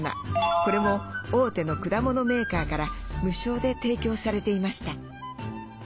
これも大手の果物メーカーから無償で提供されていました。